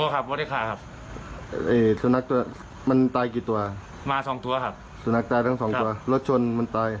ครับสุนัขตัวมันตายกี่ตัวมาสองตัวครับสุนัขตายทั้งสองตัวรถชนมันตาย